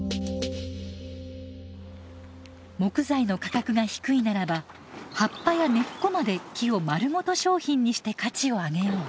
木材の価格が低いならば葉っぱや根っこまで木をまるごと商品にして価値を上げよう。